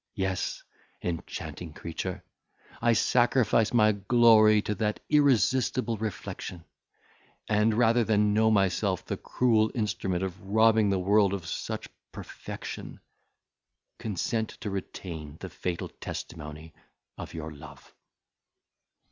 Yes, enchanting creature! I sacrifice my glory to that irresistible reflection; and, rather than know myself the cruel instrument of robbing the world of such perfection, consent to retain the fatal testimony of your love."